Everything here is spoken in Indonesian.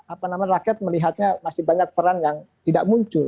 apa namanya rakyat melihatnya masih banyak peran yang tidak muncul